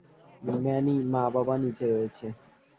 Many, মা- বাবা নীচে রয়েছে।